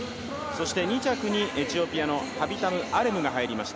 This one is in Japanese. ２着にエチオピアのハビタム・アレムが入りました。